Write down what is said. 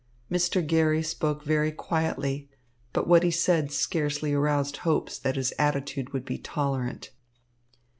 Mr. Garry spoke very quietly, but what he said scarcely aroused hopes that his attitude would be tolerant.